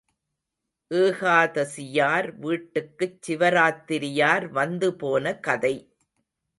ஏகாதசியார் வீட்டுக்குச் சிவராத்திரியார் வந்து போன கதை.